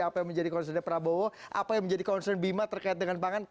apa yang menjadi concernnya prabowo apa yang menjadi concern bima terkait dengan pangan